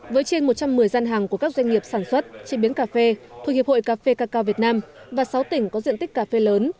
với trên một trăm một mươi gian hàng của các doanh nghiệp sản xuất chế biến cà phê thuộc hiệp hội cà phê cà cao việt nam và sáu tỉnh có diện tích cà phê lớn